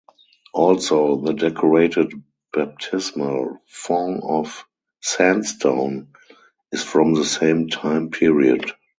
Also the decorated baptismal font of sandstone is from the same time period.